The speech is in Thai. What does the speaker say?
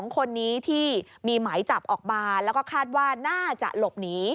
๒คนนี้ที่มีหมายจับออกมาแล้วก็คาดว่าน่าจะหลบหนี